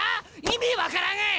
意味分からねえ！